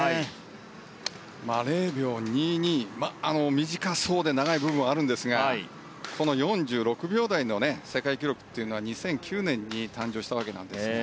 ０秒２２短そうで長い部分はあるんですがこの４６秒台の世界記録というのは２００９年に誕生したわけなんですが。